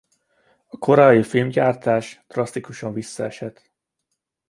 A koreai filmgyártás drasztikusan visszaesett.